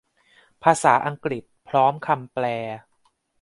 ภาษาอังกฤษ พร้อมคำแปล